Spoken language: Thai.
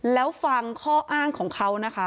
แล้วฟังข้ออ้างของเขานะคะ